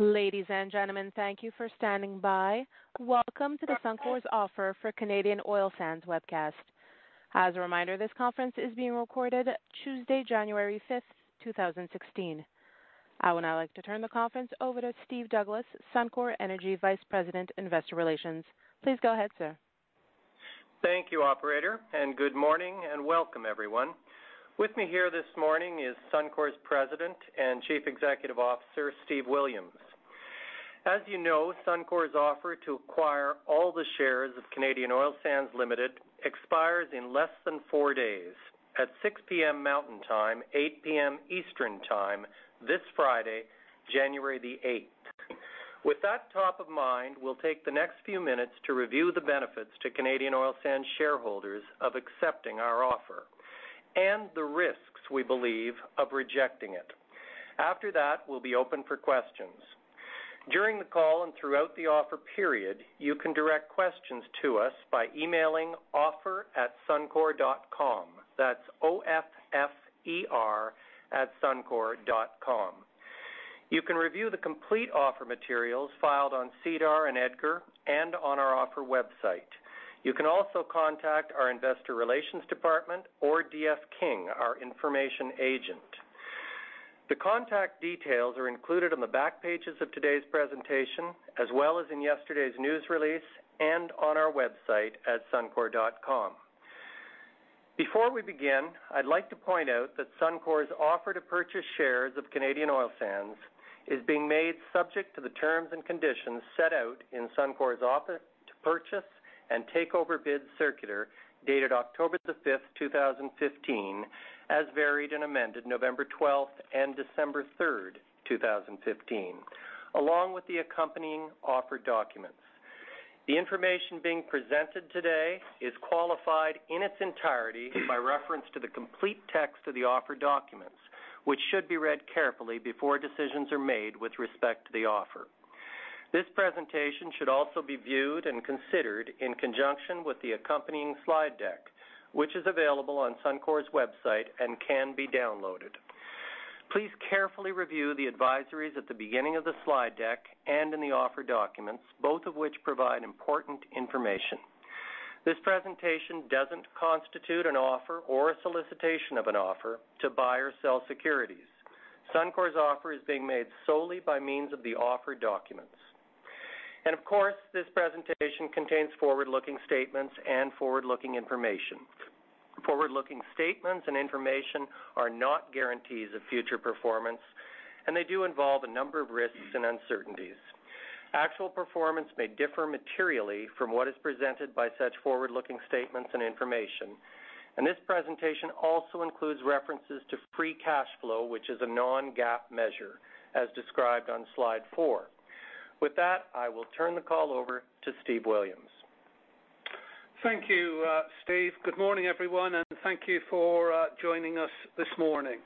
Ladies and gentlemen, thank you for standing by. Welcome to the Suncor's offer for Canadian Oil Sands webcast. As a reminder, this conference is being recorded Tuesday, January 5th, 2016. I would now like to turn the conference over to Steve Douglas, Suncor Energy Vice President, Investor Relations. Please go ahead, sir. Thank you, operator. Good morning and welcome everyone. With me here this morning is Suncor's President and Chief Executive Officer, Steve Williams. As you know, Suncor's offer to acquire all the shares of Canadian Oil Sands Limited expires in less than four days at 6:00 P.M. Mountain Time, 8:00 P.M. Eastern Time this Friday, January the 8th. With that top of mind, we'll take the next few minutes to review the benefits to Canadian Oil Sands shareholders of accepting our offer and the risks we believe of rejecting it. After that, we'll be open for questions. During the call and throughout the offer period, you can direct questions to us by emailing offer@suncor.com. That's O-F-F-E-R @suncor.com. You can review the complete offer materials filed on SEDAR and EDGAR and on our offer website. You can also contact our investor relations department or D.F. King, our information agent. The contact details are included on the back pages of today's presentation, as well as in yesterday's news release and on our website at suncor.com. Before we begin, I'd like to point out that Suncor's offer to purchase shares of Canadian Oil Sands is being made subject to the terms and conditions set out in Suncor's offer to purchase and takeover bid circular, dated October the 5th, 2015, as varied and amended November 12th and December 3rd, 2015, along with the accompanying offer documents. The information being presented today is qualified in its entirety by reference to the complete text of the offer documents, which should be read carefully before decisions are made with respect to the offer. This presentation should also be viewed and considered in conjunction with the accompanying slide deck, which is available on Suncor's website and can be downloaded. Please carefully review the advisories at the beginning of the slide deck and in the offer documents, both of which provide important information. This presentation doesn't constitute an offer or a solicitation of an offer to buy or sell securities. Suncor's offer is being made solely by means of the offer documents. Of course, this presentation contains forward-looking statements and forward-looking information. Forward-looking statements and information are not guarantees of future performance, and they do involve a number of risks and uncertainties. Actual performance may differ materially from what is presented by such forward-looking statements and information. This presentation also includes references to free cash flow, which is a non-GAAP measure, as described on slide four. With that, I will turn the call over to Steve Williams. Thank you, Steve. Good morning, everyone, and thank you for joining us this morning.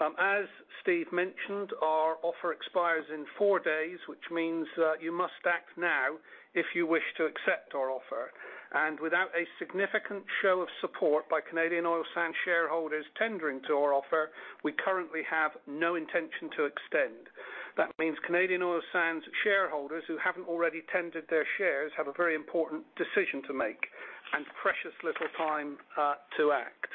As Steve mentioned, our offer expires in four days, which means you must act now if you wish to accept our offer. Without a significant show of support by Canadian Oil Sands shareholders tendering to our offer, we currently have no intention to extend. That means Canadian Oil Sands shareholders who haven't already tendered their shares have a very important decision to make and precious little time to act.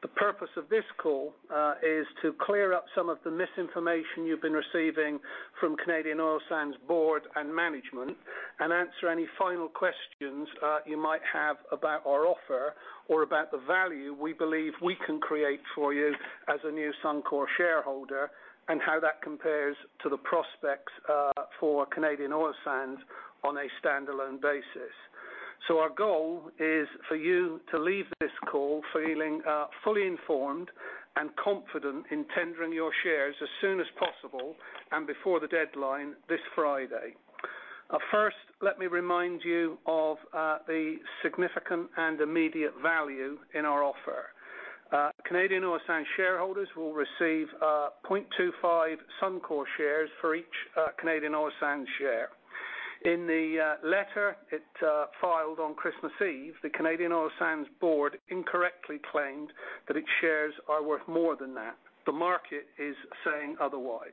The purpose of this call is to clear up some of the misinformation you've been receiving from Canadian Oil Sands' board and management and answer any final questions you might have about our offer or about the value we believe we can create for you as a new Suncor shareholder and how that compares to the prospects for Canadian Oil Sands on a standalone basis. Our goal is for you to leave this call feeling fully informed and confident in tendering your shares as soon as possible and before the deadline this Friday. First, let me remind you of the significant and immediate value in our offer. Canadian Oil Sands shareholders will receive 0.25 Suncor shares for each Canadian Oil Sands share. In the letter it filed on Christmas Eve, the Canadian Oil Sands board incorrectly claimed that its shares are worth more than that. The market is saying otherwise.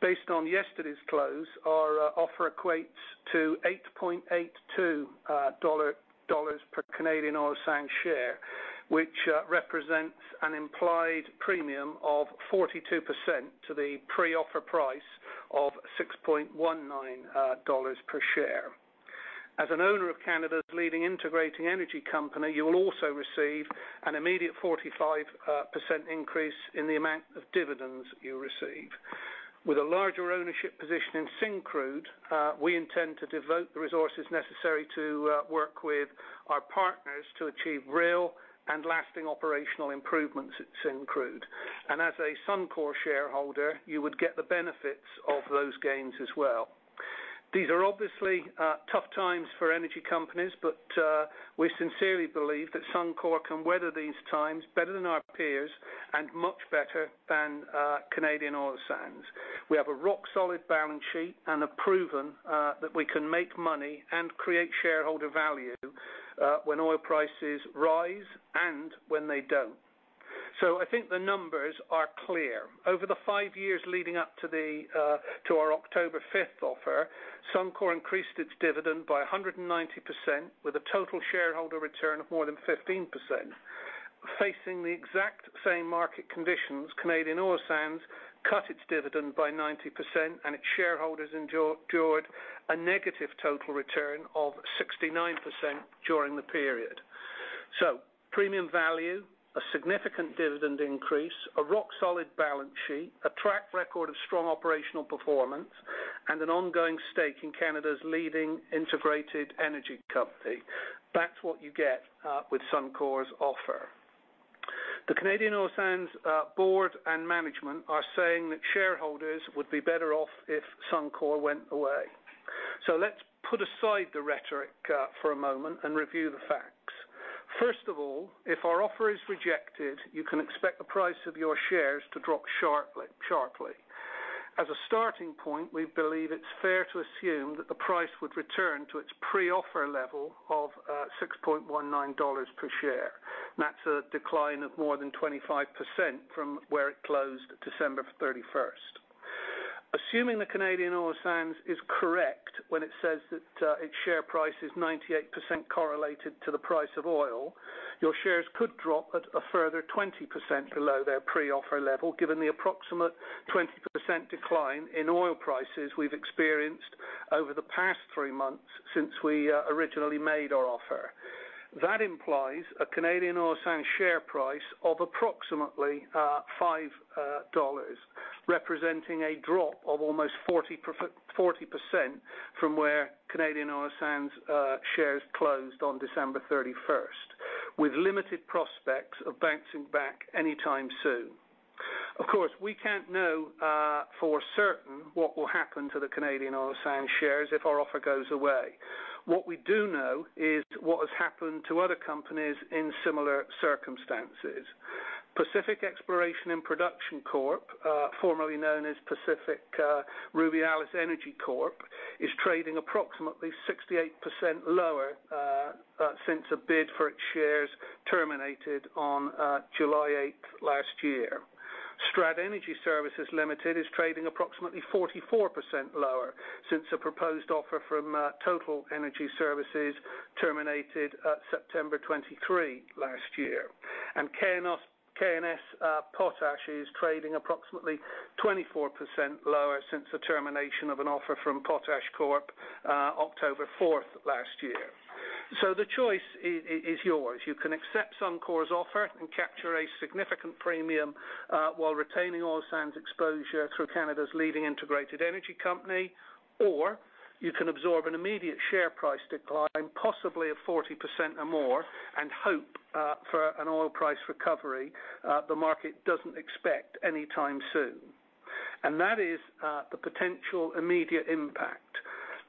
Based on yesterday's close, our offer equates to 8.82 dollar per Canadian Oil Sands share, which represents an implied premium of 42% to the pre-offer price of 6.19 dollars per share. As an owner of Canada's leading integrating energy company, you will also receive an immediate 45% increase in the amount of dividends you receive. With a larger ownership position in Syncrude, we intend to devote the resources necessary to work with our partners to achieve real and lasting operational improvements at Syncrude. As a Suncor shareholder, you would get the benefits of those gains as well. These are obviously tough times for energy companies, but we sincerely believe that Suncor can weather these times better than our peers and much better than Canadian Oil Sands. We have a rock-solid balance sheet and have proven that we can make money and create shareholder value when oil prices rise and when they don't. I think the numbers are clear. Over the five years leading up to our October 5th offer, Suncor increased its dividend by 190% with a total shareholder return of more than 15%. Facing the exact same market conditions, Canadian Oil Sands cut its dividend by 90% and its shareholders endured a negative total return of 69% during the period. Premium value, a significant dividend increase, a rock-solid balance sheet, a track record of strong operational performance, and an ongoing stake in Canada's leading integrated energy company. That's what you get with Suncor's offer. The Canadian Oil Sands board and management are saying that shareholders would be better off if Suncor went away. Let's put aside the rhetoric for a moment and review the facts. First of all, if our offer is rejected, you can expect the price of your shares to drop sharply. As a starting point, we believe it's fair to assume that the price would return to its pre-offer level of 6.19 dollars per share. That's a decline of more than 25% from where it closed December 31st. Assuming the Canadian Oil Sands is correct when it says that its share price is 98% correlated to the price of oil, your shares could drop at a further 20% below their pre-offer level, given the approximate 20% decline in oil prices we've experienced over the past three months since we originally made our offer. That implies a Canadian Oil Sands share price of approximately 5 dollars, representing a drop of almost 40% from where Canadian Oil Sands shares closed on December 31st, with limited prospects of bouncing back anytime soon. Of course, we can't know for certain what will happen to the Canadian Oil Sands shares if our offer goes away. What we do know is what has happened to other companies in similar circumstances. Pacific Exploration & Production Corp, formerly known as Pacific Rubiales Energy Corp, is trading approximately 68% lower since a bid for its shares terminated on July 8th last year. STEP Energy Services Ltd. is trading approximately 44% lower since a proposed offer from Total Energy Services terminated September 23 last year. K+S Potash is trading approximately 24% lower since the termination of an offer from PotashCorp October 4th last year. The choice is yours. You can accept Suncor's offer and capture a significant premium while retaining Oil Sands exposure through Canada's leading integrated energy company or you can absorb an immediate share price decline, possibly of 40% or more, and hope for an oil price recovery the market doesn't expect anytime soon. That is the potential immediate impact.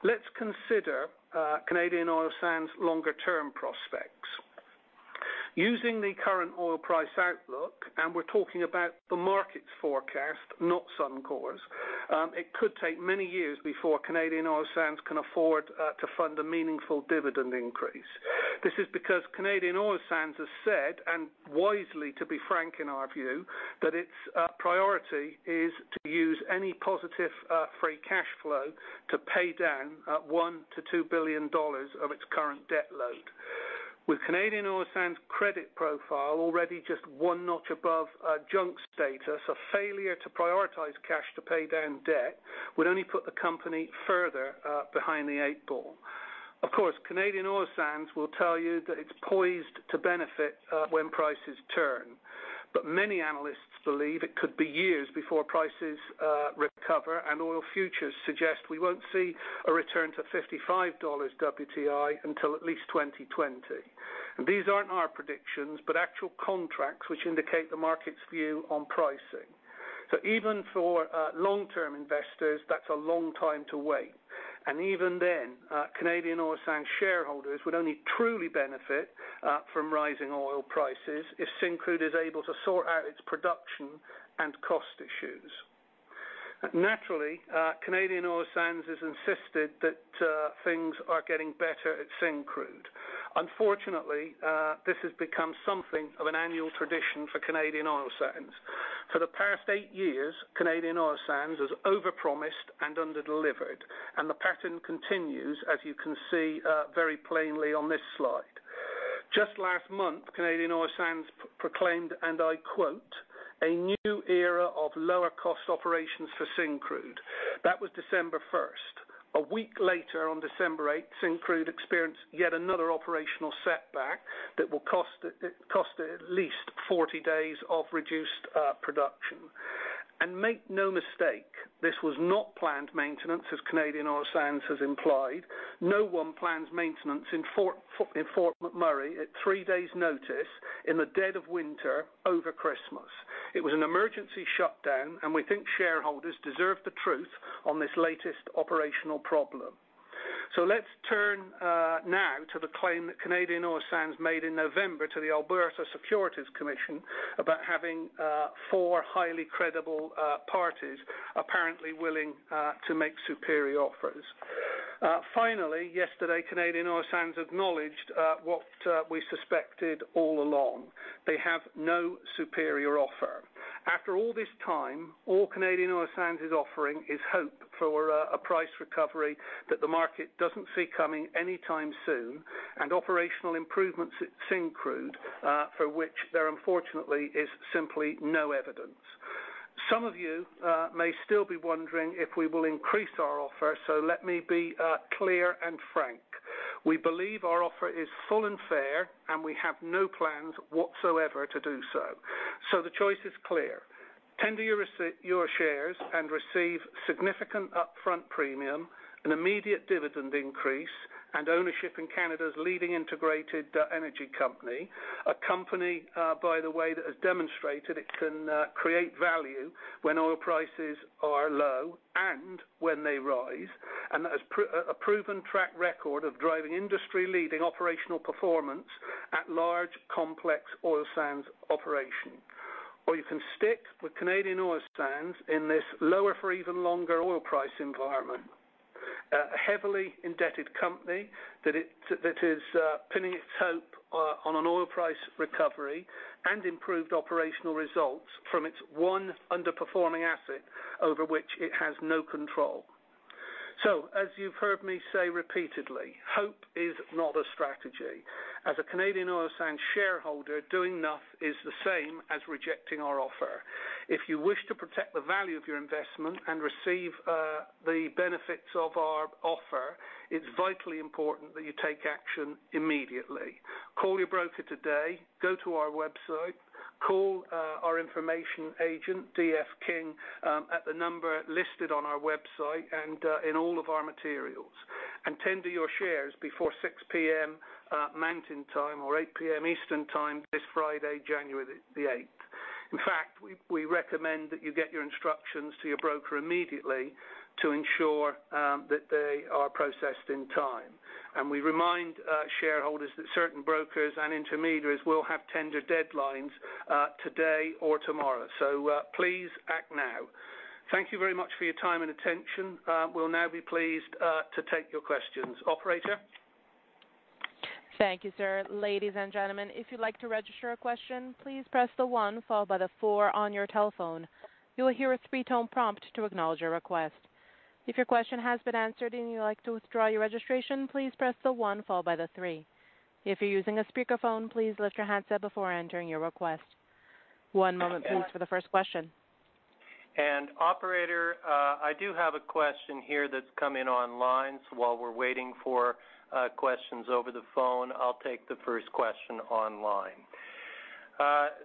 Let's consider Canadian Oil Sands' longer-term prospects. Using the current oil price outlook, we're talking about the market's forecast, not Suncor's, it could take many years before Canadian Oil Sands can afford to fund a meaningful dividend increase. This is because Canadian Oil Sands has said, and wisely to be frank in our view, that its priority is to use any positive free cash flow to pay down 1 billion to 2 billion dollars of its current debt load. With Canadian Oil Sands' credit profile already just one notch above junk status, a failure to prioritize cash to pay down debt would only put the company further behind the eight ball. Of course, Canadian Oil Sands will tell you that it's poised to benefit when prices turn. Many analysts believe it could be years before prices recover, and oil futures suggest we won't see a return to $55 WTI until at least 2020. These aren't our predictions, but actual contracts which indicate the market's view on pricing. Even for long-term investors, that's a long time to wait. Even then, Canadian Oil Sands shareholders would only truly benefit from rising oil prices if Syncrude is able to sort out its production and cost issues. Naturally, Canadian Oil Sands has insisted that things are getting better at Syncrude. Unfortunately, this has become something of an annual tradition for Canadian Oil Sands. For the past eight years, Canadian Oil Sands has overpromised and under-delivered, and the pattern continues, as you can see very plainly on this slide. Just last month, Canadian Oil Sands proclaimed, and I quote, "A new era of lower cost operations for Syncrude." That was December 1st. A week later, on December 8th, Syncrude experienced yet another operational setback that will cost it at least 40 days of reduced production. Make no mistake, this was not planned maintenance as Canadian Oil Sands has implied. No one plans maintenance in Fort McMurray at three days' notice in the dead of winter over Christmas. It was an emergency shutdown, and we think shareholders deserve the truth on this latest operational problem. Let's turn now to the claim that Canadian Oil Sands made in November to the Alberta Securities Commission about having four highly credible parties apparently willing to make superior offers. Finally, yesterday, Canadian Oil Sands acknowledged what we suspected all along. They have no superior offer. After all this time, all Canadian Oil Sands is offering is hope for a price recovery that the market doesn't see coming anytime soon, and operational improvements at Syncrude, for which there unfortunately is simply no evidence. Some of you may still be wondering if we will increase our offer, let me be clear and frank. We believe our offer is full and fair, we have no plans whatsoever to do so. The choice is clear. Tender your shares and receive significant upfront premium, an immediate dividend increase, and ownership in Canada's leading integrated energy company, a company, by the way, that has demonstrated it can create value when oil prices are low and when they rise, and that has a proven track record of driving industry leading operational performance at large, complex oil sands operation. You can stick with Canadian Oil Sands in this lower for even longer oil price environment. A heavily indebted company that is pinning its hope on an oil price recovery and improved operational results from its one underperforming asset over which it has no control. As you've heard me say repeatedly, hope is not a strategy. As a Canadian Oil Sands shareholder, doing enough is the same as rejecting our offer. If you wish to protect the value of your investment and receive the benefits of our offer, it's vitally important that you take action immediately. Call your broker today, go to our website, call our information agent, D.F. King, at the number listed on our website and in all of our materials. Tender your shares before 6:00 P.M. Mountain Time or 8:00 P.M. Eastern Time this Friday, January the 8th. In fact, we recommend that you get your instructions to your broker immediately to ensure that they are processed in time. We remind shareholders that certain brokers and intermediaries will have tender deadlines today or tomorrow. Please act now. Thank you very much for your time and attention. We'll now be pleased to take your questions. Operator? Thank you, sir. Ladies and gentlemen, if you'd like to register a question, please press the one followed by the four on your telephone. You will hear a three-tone prompt to acknowledge your request. If your question has been answered and you'd like to withdraw your registration, please press the one followed by the three. If you're using a speakerphone, please lift your handset before entering your request. One moment please for the first question. Operator, I do have a question here that's come in online. While we're waiting for questions over the phone, I'll take the first question online.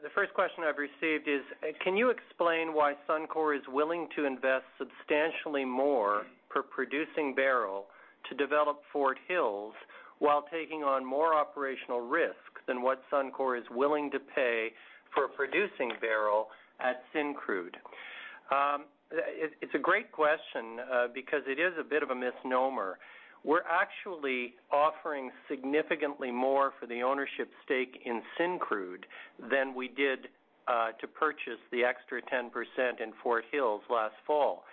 The first question I've received is, can you explain why Suncor is willing to invest substantially more per producing barrel to develop Fort Hills while taking on more operational risk than what Suncor is willing to pay for a producing barrel at Syncrude? It's a great question, because it is a bit of a misnomer. We're actually offering significantly more for the ownership stake in Syncrude than we did to purchase the extra 10% in Fort Hills last fall.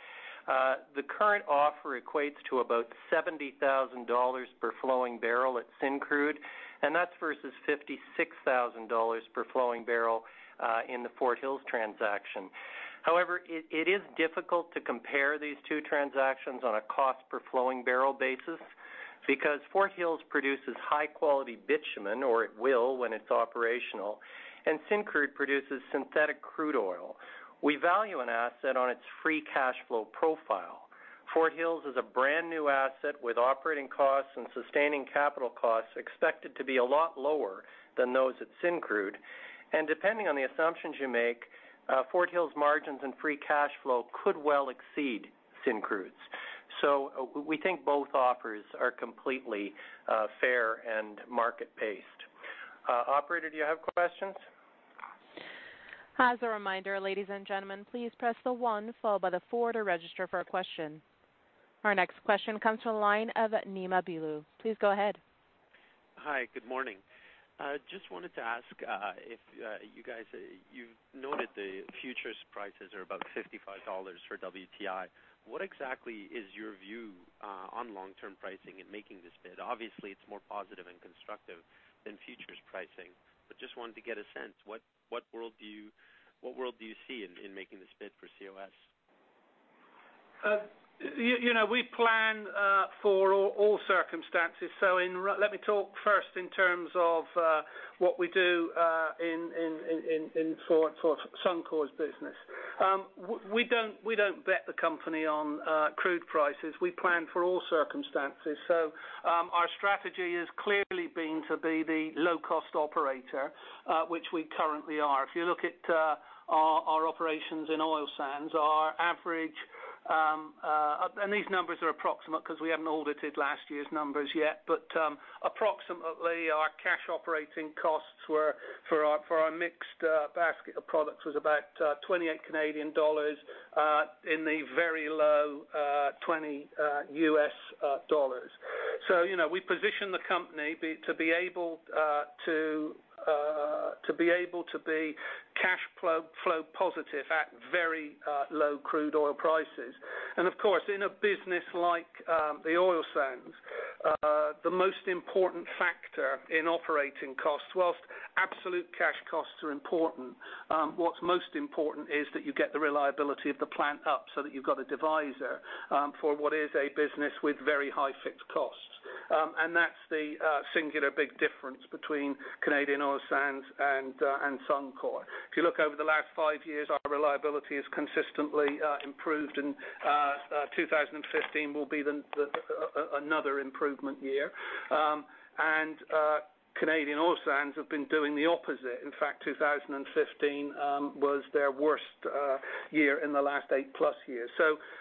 The current offer equates to about 70,000 dollars per flowing barrel at Syncrude, that's versus 56,000 dollars per flowing barrel in the Fort Hills transaction. However, it is difficult to compare these two transactions on a cost per flowing barrel basis because Fort Hills produces high-quality bitumen, or it will when it's operational, and Syncrude produces synthetic crude oil. We value an asset on its free cash flow profile. Fort Hills is a brand-new asset with operating costs and sustaining capital costs expected to be a lot lower than those at Syncrude. Depending on the assumptions you make, Fort Hills margins and free cash flow could well exceed Syncrude's. We think both offers are completely fair and market-based. Operator, do you have questions? As a reminder, ladies and gentlemen, please press the one followed by the four to register for a question. Our next question comes from the line of Neil Mehta. Please go ahead. Hi. Good morning. Just wanted to ask if you guys, you've noted the futures prices are about $55 for WTI. What exactly is your view on long-term pricing in making this bid? Obviously, it's more positive and constructive than futures pricing. Just wanted to get a sense, what world do you see in making this bid for COS? We plan for all circumstances. Let me talk first in terms of what we do in Suncor's business. We don't bet the company on crude prices. We plan for all circumstances. Our strategy has clearly been to be the low-cost operator, which we currently are. If you look at our operations in oil sands, our average, and these numbers are approximate because we haven't audited last year's numbers yet, but approximately our cash operating costs for our mixed basket of products was about 28 Canadian dollars, in the very low $20. We position the company to be able to be cash flow positive at very low crude oil prices. Of course, in a business like the oil sands, the most important factor in operating costs, whilst absolute cash costs are important, what's most important is that you get the reliability of the plant up so that you've got a divisor for what is a business with very high fixed costs. That's the singular big difference between Canadian Oil Sands and Suncor. If you look over the last five years, our reliability has consistently improved, and 2015 will be another improvement year. Canadian Oil Sands have been doing the opposite. In fact, 2015 was their worst year in the last eight-plus years.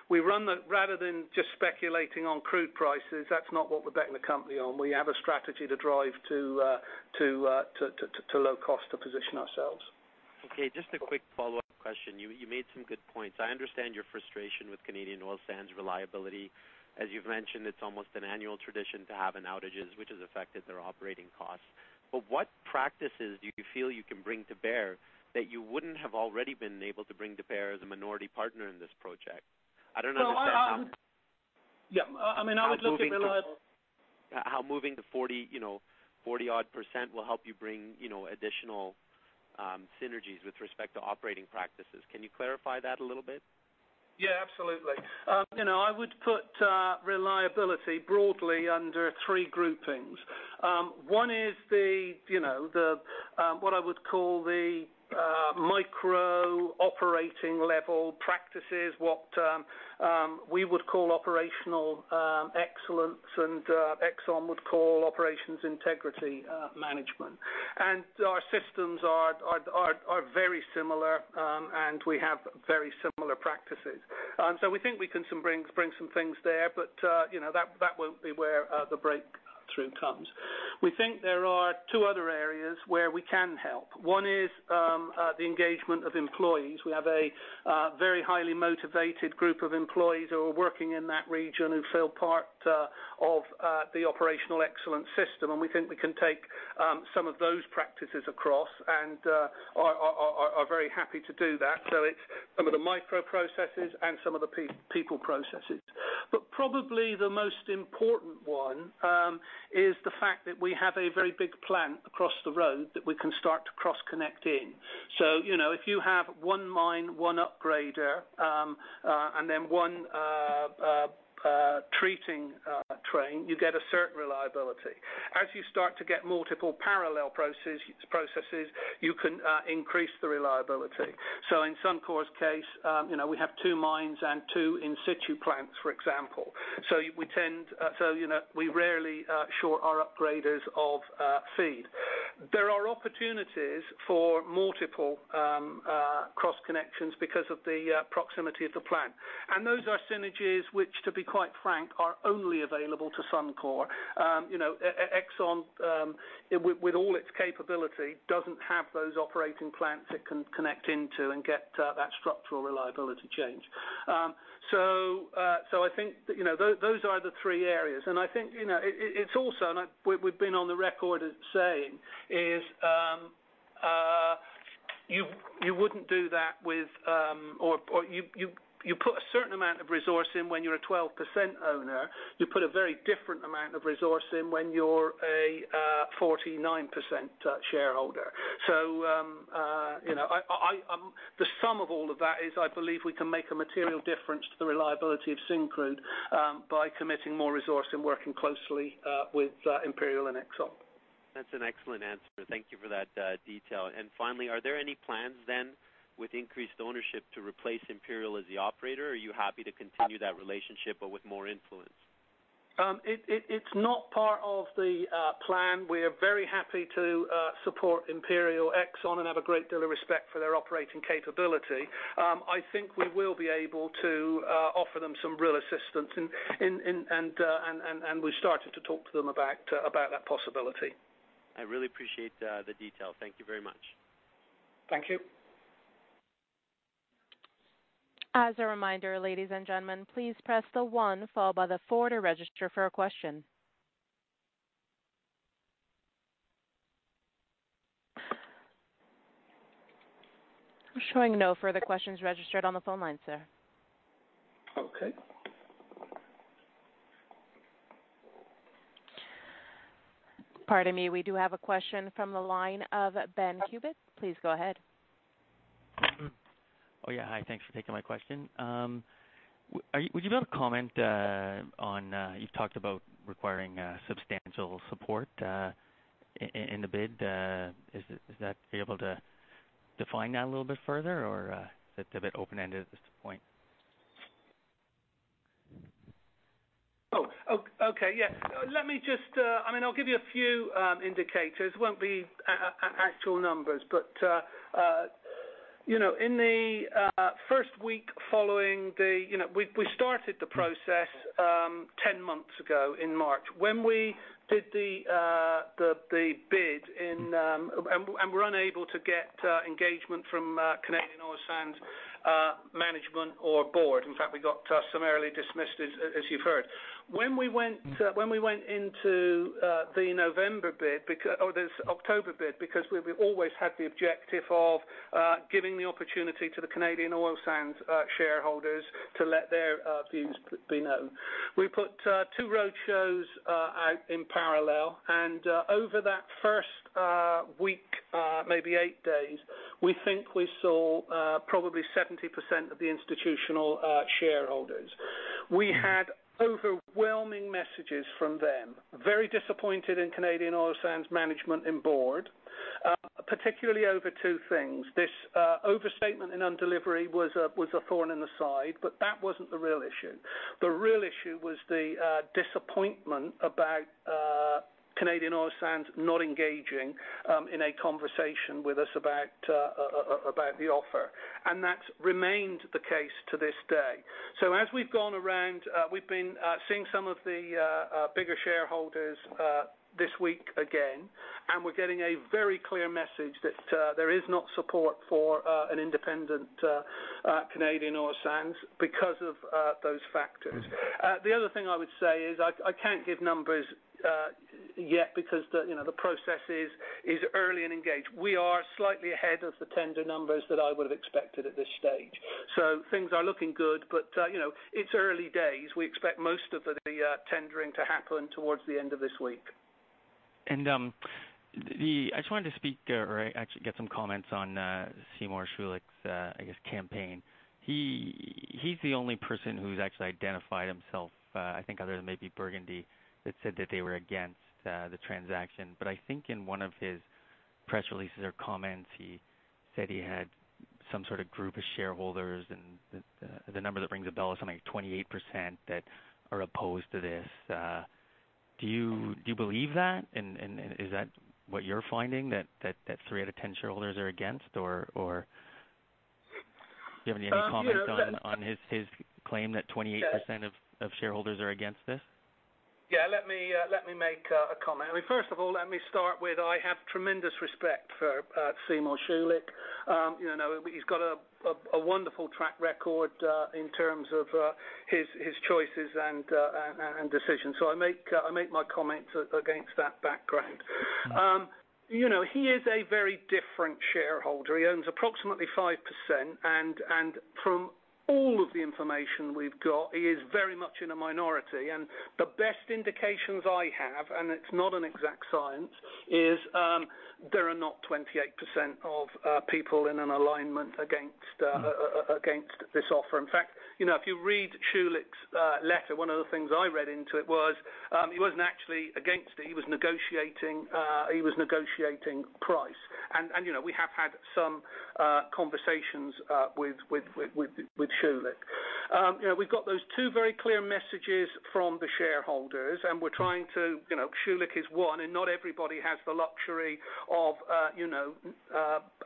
Rather than just speculating on crude prices, that's not what we're betting the company on. We have a strategy to drive to low cost to position ourselves. Okay, just a quick follow-up question. You made some good points. I understand your frustration with Canadian Oil Sands' reliability. As you've mentioned, it's almost an annual tradition to have outages, which has affected their operating costs. What practices do you feel you can bring to bear that you wouldn't have already been able to bring to bear as a minority partner in this project? Yeah. How moving to 40-odd% will help you bring additional synergies with respect to operating practices. Can you clarify that a little bit? Yeah, absolutely. I would put reliability broadly under three groupings. One is what I would call the micro-operating level practices, what we would call operational excellence, and Exxon would call Operations Integrity Management. Our systems are very similar, and we have very similar practices. We think we can bring some things there, but that won't be where the breakthrough comes. We think there are two other areas where we can help. One is the engagement of employees. We have a very highly motivated group of employees who are working in that region who feel part of the operational excellence system, and we think we can take some of those practices across and are very happy to do that. It's some of the micro processes and some of the people processes. Probably the most important one is the fact that we have a very big plant across the road that we can start to cross-connect in. If you have one mine, one upgrader, and then one treating train, you get a certain reliability. As you start to get multiple parallel processes, you can increase the reliability. In Suncor's case, we have two mines and two in situ plants, for example. We rarely short our upgraders of feed. There are opportunities for multiple cross-connections because of the proximity of the plant. Those are synergies which, to be quite frank, are only available to Suncor. Exxon, with all its capability, doesn't have those operating plants it can connect into and get that structural reliability change. I think those are the three areas. I think it's also, and we've been on the record as saying, you put a certain amount of resource in when you're a 12% owner. You put a very different amount of resource in when you're a 49% shareholder. The sum of all of that is, I believe we can make a material difference to the reliability of Syncrude by committing more resource and working closely with Imperial and Exxon. That's an excellent answer. Thank you for that detail. Finally, are there any plans then with increased ownership to replace Imperial as the operator? Are you happy to continue that relationship but with more influence? It's not part of the plan. We are very happy to support Imperial, Exxon, and have a great deal of respect for their operating capability. I think we will be able to offer them some real assistance, and we've started to talk to them about that possibility. I really appreciate the detail. Thank you very much. Thank you. As a reminder, ladies and gentlemen, please press the one followed by the four to register for a question. I'm showing no further questions registered on the phone line, sir. Okay. Pardon me. We do have a question from the line of Ben Cubitt. Please go ahead. Yeah. Hi. Thanks for taking my question. You've talked about requiring substantial support in the bid. Is that able to define that a little bit further, or is it a bit open-ended at this point? Okay. Yes. I'll give you a few indicators. It won't be actual numbers, but in the first week following. We started the process 10 months ago in March. When we did the bid, and were unable to get engagement from Canadian Oil Sands management or board. In fact, we got summarily dismissed as you've heard. When we went into the November bid, or this October bid, because we've always had the objective of giving the opportunity to the Canadian Oil Sands shareholders to let their views be known. We put two road shows out in parallel, and over that first week, maybe eight days, we think we saw probably 70% of the institutional shareholders. We had overwhelming messages from them. Very disappointed in Canadian Oil Sands management and board, particularly over two things. This overstatement and undelivery was a thorn in the side, but that wasn't the real issue. The real issue was the disappointment about Canadian Oil Sands not engaging in a conversation with us about the offer. That's remained the case to this day. As we've gone around, we've been seeing some of the bigger shareholders this week again, and we're getting a very clear message that there is not support for an independent Canadian Oil Sands because of those factors. The other thing I would say is I can't give numbers yet because the process is early in engaged. We are slightly ahead of the tender numbers that I would've expected at this stage. Things are looking good, but it's early days. We expect most of the tendering to happen towards the end of this week. I just wanted to speak or actually get some comments on Seymour Schulich's campaign. He's the only person who's actually identified himself, I think other than maybe Burgundy, that said that they were against the transaction. I think in one of his press releases or comments, he said he had some sort of group of shareholders and the number that rings a bell is something like 28% that are opposed to this. Do you believe that? Is that what you're finding, that three out of 10 shareholders are against, or do you have any comments on his claim that 28% of shareholders are against this? Let me make a comment. First of all, let me start with, I have tremendous respect for Seymour Schulich. He's got a wonderful track record in terms of his choices and decisions. I make my comments against that background. He is a very different shareholder. He owns approximately 5%, and from all of the information we've got, he is very much in a minority. The best indications I have, and it's not an exact science, is there are not 28% of people in an alignment against this offer. In fact, if you read Schulich's letter, one of the things I read into it was, he wasn't actually against it. He was negotiating price. We have had some conversations with Schulich. We've got those two very clear messages from the shareholders. Schulich is one, and not everybody has the luxury of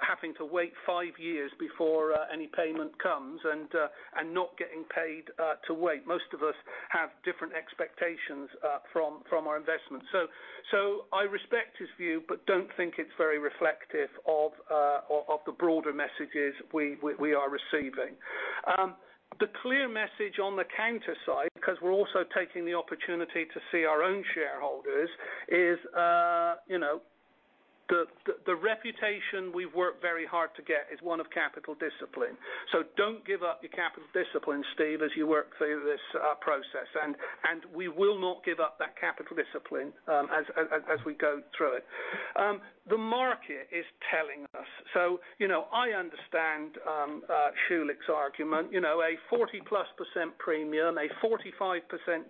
having to wait 5 years before any payment comes and not getting paid to wait. Most of us have different expectations from our investments. I respect his view, but don't think it's very reflective of the broader messages we are receiving. The clear message on the counter side, because we're also taking the opportunity to see our own shareholders is, the reputation we've worked very hard to get is one of capital discipline. Don't give up your capital discipline, Steve, as you work through this process. We will not give up that capital discipline as we go through it. The market is telling us. I understand Schulich's argument. A 40-plus % premium, a 45%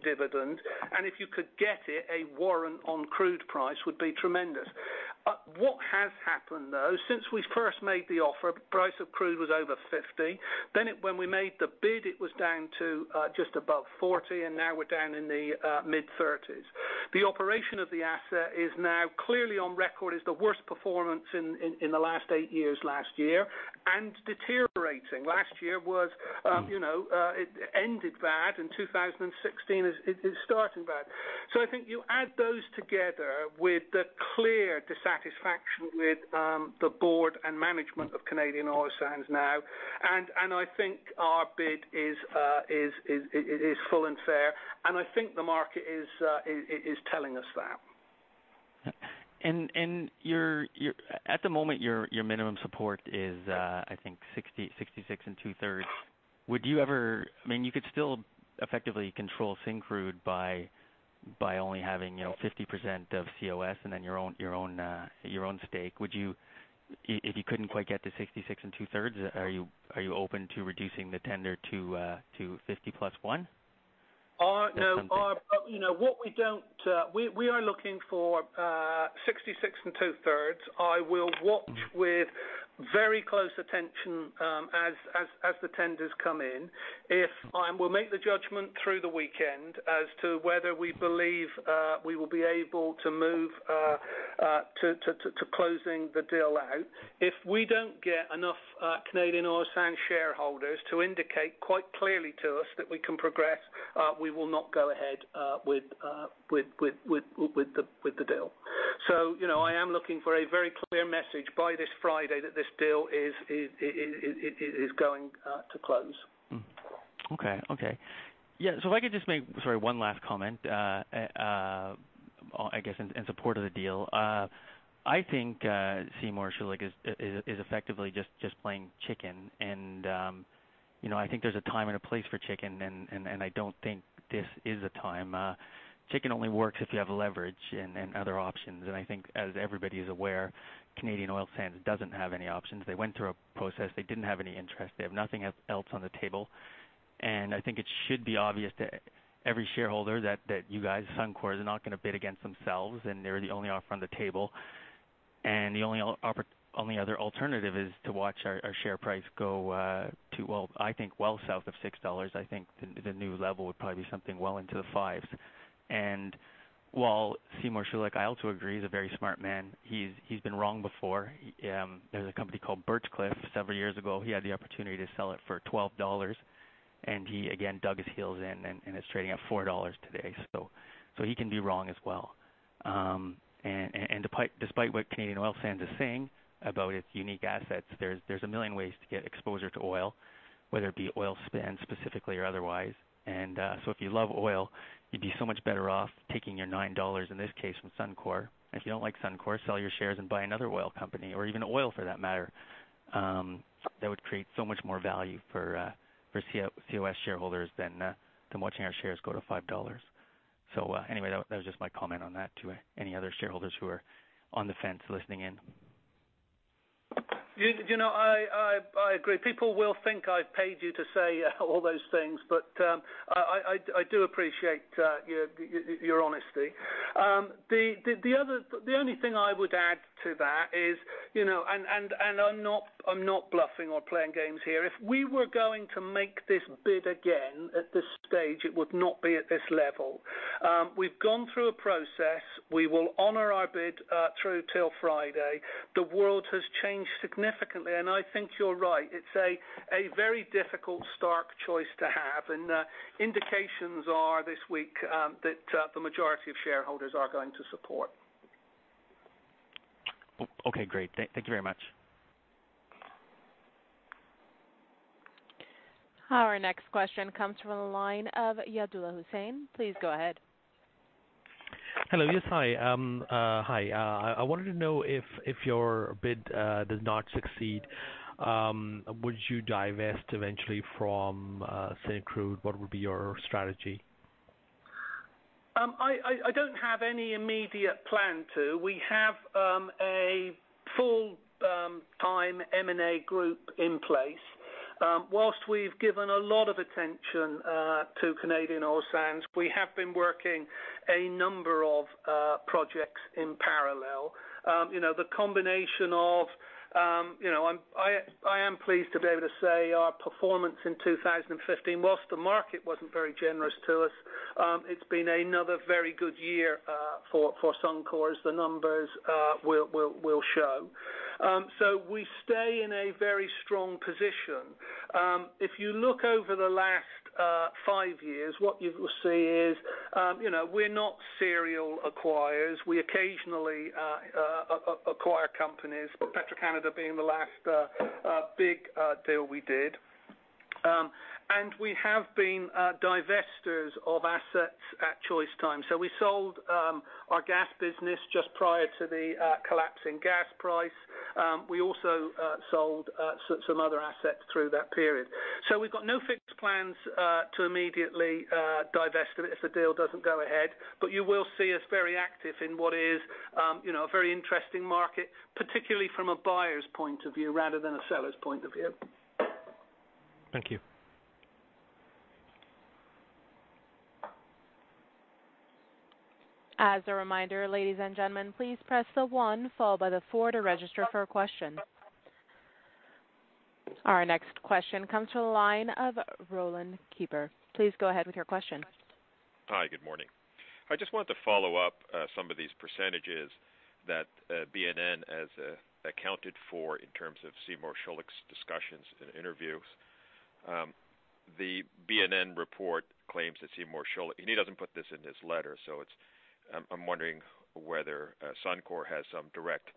dividend, and if you could get it, a warrant on crude price would be tremendous. What has happened, though, since we first made the offer, price of crude was over 50. When we made the bid, it was down to just above 40, and now we're down in the mid-CAD 30s. The operation of the asset is now clearly on record as the worst performance in the last 8 years last year, and deteriorating. Last year ended bad, and 2016 is starting bad. I think you add those together with the clear dissatisfaction with the board and management of Canadian Oil Sands now, and I think our bid is full and fair, and I think the market is telling us that. At the moment, your minimum support is, I think 66 and two-thirds. You could still effectively control Syncrude by only having 50% of COS and then your own stake. If you couldn't quite get to 66 and two-thirds, are you open to reducing the tender to 50 plus one? We are looking for 66 and two-thirds. I will watch with very close attention as the tenders come in. We'll make the judgment through the weekend as to whether we believe we will be able to move to closing the deal out. If we don't get enough Canadian Oil Sands shareholders to indicate quite clearly to us that we can progress, we will not go ahead with the deal. I am looking for a very clear message by this Friday that this deal is going to close. Okay. Yeah. If I could just make, sorry, one last comment, I guess, in support of the deal. I think Seymour Schulich is effectively just playing chicken and I think there's a time and a place for chicken and I don't think this is the time. Chicken only works if you have leverage and other options. I think as everybody's aware, Canadian Oil Sands doesn't have any options. They went through a process. They didn't have any interest. They have nothing else on the table. I think it should be obvious to every shareholder that you guys, Suncor, is not going to bid against themselves, and they're the only offer on the table. The only other alternative is to watch our share price go to, well, I think well south of 6 dollars. I think the new level would probably be something well into the fives. While Seymour Schulich, I also agree, is a very smart man, he's been wrong before. There's a company called Birchcliff several years ago. He had the opportunity to sell it for 12 dollars, and he, again, dug his heels in, and it's trading at 4 dollars today. He can be wrong as well. Despite what Canadian Oil Sands is saying about its unique assets, there's a million ways to get exposure to oil, whether it be oil sands specifically or otherwise. If you love oil, you'd be so much better off taking your 9 dollars, in this case, from Suncor. If you don't like Suncor, sell your shares and buy another oil company or even oil for that matter. That would create so much more value for COS shareholders than watching our shares go to 5 dollars. Anyway, that was just my comment on that to any other shareholders who are on the fence listening in. I agree. People will think I've paid you to say all those things, but I do appreciate your honesty. The only thing I would add to that is, I'm not bluffing or playing games here. If we were going to make this bid again, at this stage, it would not be at this level. We've gone through a process. We will honor our bid through till Friday. The world has changed significantly, and I think you're right. It's a very difficult, stark choice to have. Indications are this week that the majority of shareholders are going to support. Okay, great. Thank you very much. Our next question comes from the line of Yadullah Hussain. Please go ahead. Hello. Yes, hi. I wanted to know if your bid does not succeed, would you divest eventually from Syncrude? What would be your strategy? I don't have any immediate plan to. We have a full-time M&A group in place. Whilst we've given a lot of attention to Canadian Oil Sands, we have been working a number of projects in parallel. I am pleased to be able to say our performance in 2015, whilst the market wasn't very generous to us, it's been another very good year for Suncor as the numbers will show. We stay in a very strong position. If you look over the last five years, what you will see is we're not serial acquirers. We occasionally acquire companies, Petro-Canada being the last big deal we did. We have been divestors of assets at choice times. We sold our gas business just prior to the collapse in gas price. We also sold some other assets through that period. We've got no fixed plans to immediately divest if the deal doesn't go ahead. You will see us very active in what is a very interesting market, particularly from a buyer's point of view rather than a seller's point of view. Thank you. As a reminder, ladies and gentlemen, please press the one followed by the four to register for a question. Our next question comes from the line of Roger Read. Please go ahead with your question. Hi, good morning. I just wanted to follow up some of these percentages that BNN has accounted for in terms of Seymour Schulich's discussions and interviews. The BNN report claims that Seymour Schulich, and he doesn't put this in his letter, so I'm wondering whether Suncor has some direct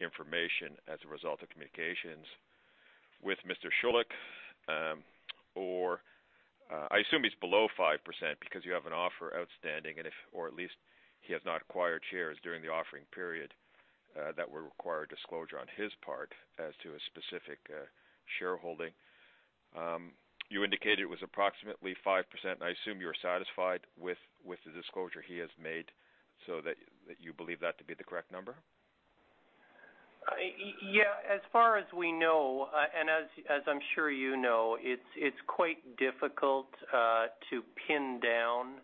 information as a result of communications with Mr. Schulich. I assume he's below 5% because you have an offer outstanding, or at least he has not acquired shares during the offering period that would require disclosure on his part as to a specific shareholding. You indicated it was approximately 5%, and I assume you're satisfied with the disclosure he has made so that you believe that to be the correct number? As far as we know, as I'm sure you know, it's quite difficult to pin down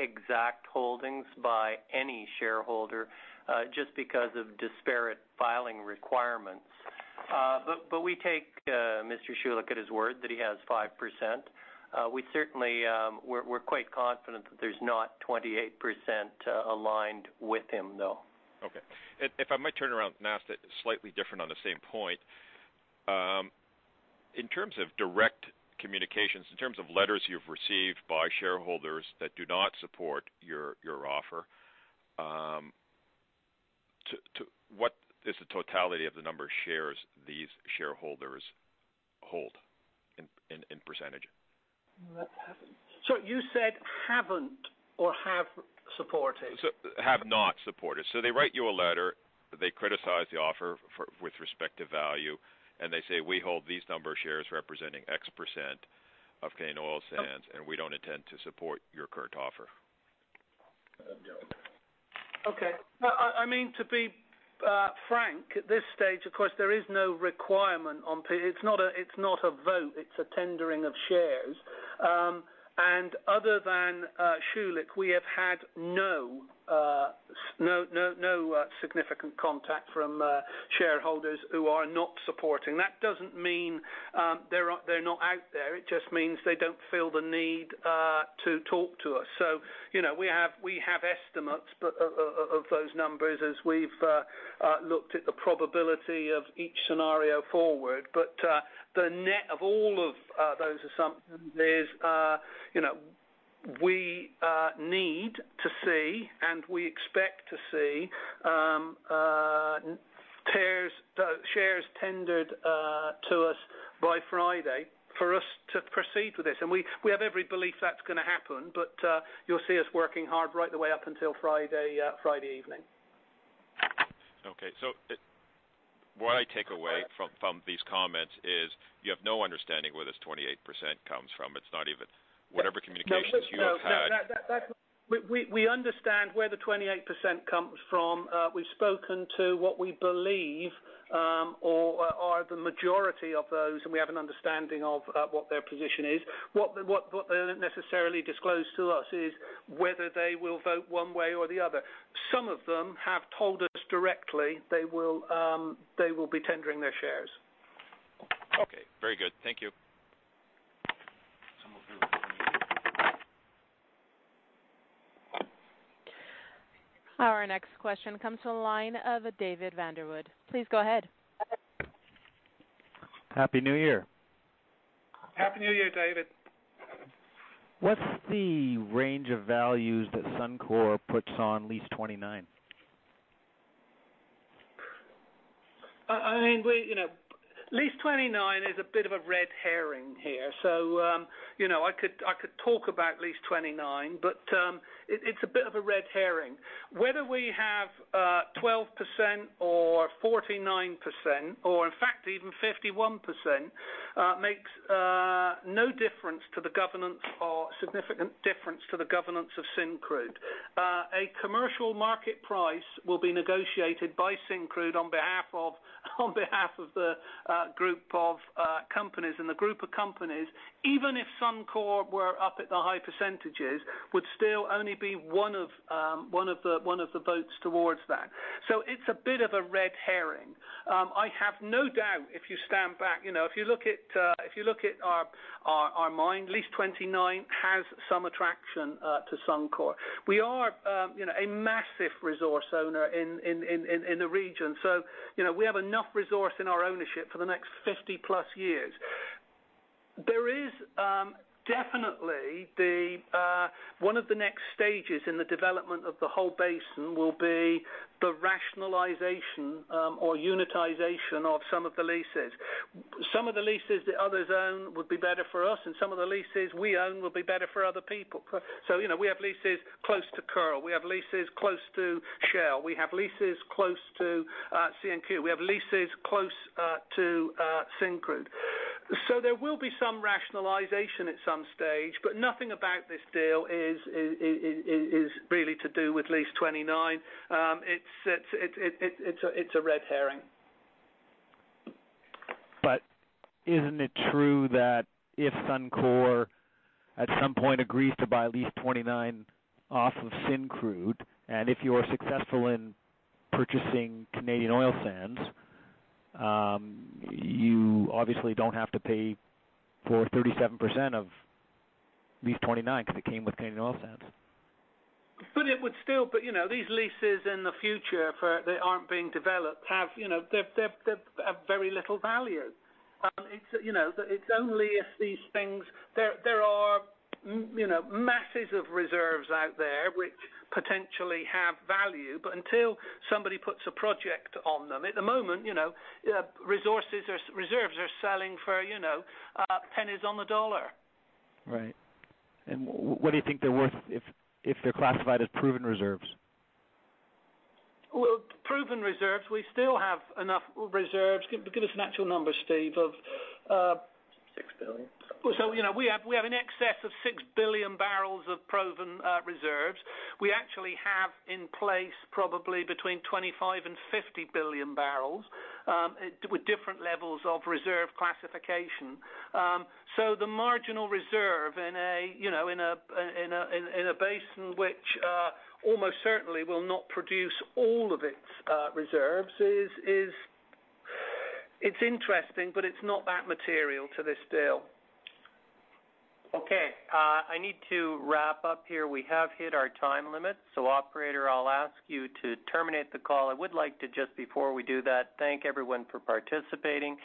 exact holdings by any shareholder just because of disparate filing requirements. We take Mr. Schulich at his word that he has 5%. We certainly are quite confident that there's not 28% aligned with him, though. Okay. If I might turn around and ask slightly different on the same point. In terms of direct communications, in terms of letters you've received by shareholders that do not support your offer. What is the totality of the number of shares these shareholders hold in percentage? That's happened. You said haven't or have supported? have not supported. They write you a letter, they criticize the offer with respect to value, and they say, "We hold these number of shares representing X% of Canadian Oil Sands, and we don't intend to support your current offer. Yeah. I mean, to be frank, at this stage, of course, there is no requirement. It's not a vote, it's a tendering of shares. Other than Schulich, we have had no significant contact from shareholders who are not supporting. That doesn't mean they're not out there. It just means they don't feel the need to talk to us. We have estimates of those numbers as we've looked at the probability of each scenario forward. The net of all of those assumptions is we need to see, and we expect to see shares tendered to us by Friday for us to proceed with this. We have every belief that's going to happen, but you'll see us working hard right the way up until Friday evening. What I take away from these comments is you have no understanding where this 28% comes from. It's not even whatever communications you have had. We understand where the 28% comes from. We've spoken to what we believe are the majority of those, and we have an understanding of what their position is. What they don't necessarily disclose to us is whether they will vote one way or the other. Some of them have told us directly they will be tendering their shares. Okay. Very good. Thank you. Someone here with me. Our next question comes to the line of Greg Pardy. Please go ahead. Happy New Year. Happy New Year, Greg Pardy. What's the range of values that Suncor puts on Lease 29? Lease 29 is a bit of a red herring here. I could talk about Lease 29, but it's a bit of a red herring. Whether we have 12% or 49%, or in fact even 51%, makes no significant difference to the governance of Syncrude. A commercial market price will be negotiated by Syncrude on behalf of the group of companies. The group of companies, even if Suncor were up at the high percentages, would still only be one of the votes towards that. It's a bit of a red herring. I have no doubt, if you stand back, if you look at our mine, Lease 29 has some attraction to Suncor. We are a massive resource owner in the region. We have enough resource in our ownership for the next 50+ years. Definitely, one of the next stages in the development of the whole basin will be the rationalization or unitization of some of the leases. Some of the leases the others own would be better for us, and some of the leases we own will be better for other people. We have leases close to Kearl. We have leases close to Shell. We have leases close to CNQ. We have leases close to Syncrude. There will be some rationalization at some stage, but nothing about this deal is really to do with Lease 29. It's a red herring. Isn't it true that if Suncor, at some point, agrees to buy Lease 29 off of Syncrude, and if you're successful in purchasing Canadian Oil Sands, you obviously don't have to pay for 37% of Lease 29 because it came with Canadian Oil Sands? These leases in the future that aren't being developed have very little value. There are masses of reserves out there which potentially have value, but until somebody puts a project on them, at the moment, reserves are selling for pennies on the dollar. Right. What do you think they're worth if they're classified as proven reserves? Well, proven reserves, we still have enough reserves. Give us an actual number, Steve. 6 billion. We have an excess of 6 billion barrels of proven reserves. We actually have in place probably between 25 and 50 billion barrels with different levels of reserve classification. The marginal reserve in a basin which almost certainly will not produce all of its reserves is interesting, but it's not that material to this deal. Okay. I need to wrap up here. We have hit our time limit. Operator, I'll ask you to terminate the call. I would like to, just before we do that, thank everyone for participating,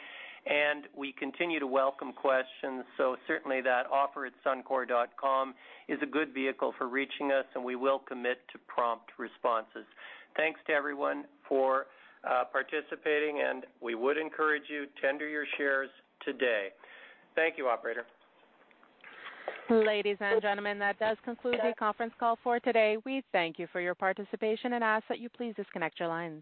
and we continue to welcome questions. Certainly that offer@suncor.com is a good vehicle for reaching us, and we will commit to prompt responses. Thanks to everyone for participating, and we would encourage you, tender your shares today. Thank you, operator. Ladies and gentlemen, that does conclude the conference call for today. We thank you for your participation and ask that you please disconnect your lines.